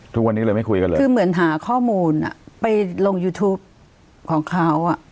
ทุกวันนี้เลยไม่คุยกันเลยคือเหมือนหาข้อมูลไปลงยูทูปของเขา